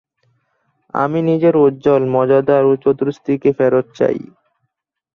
আমি নিজের উজ্জ্বল, মজাদার ও চতুর স্ত্রীকে ফেরত চাই।